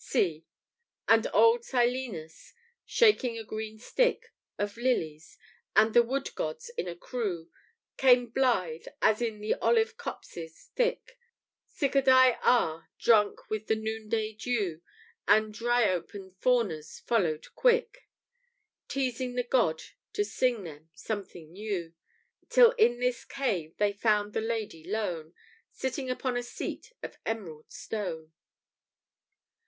] (C) "And old Silenus, shaking a green stick Of lilies, and the wood gods in a crew Came, blithe, as in the olive copses thick Cicadæ are, drunk with the noonday dew: And Dryope and Faunus followed quick, Teasing the god to sing them something new, Till in this cave they found the lady lone, Sitting upon a seat of emerald stone."